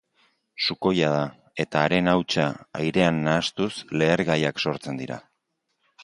Sukoia da, eta haren hautsa airean nahastuz lehergaiak sortzen dira.